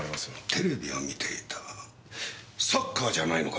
テレビを観ていたサッカーじゃないのかね？